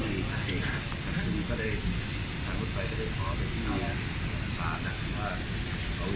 เวลาเวลามันต่อเบียนมันไม่เท่ากัน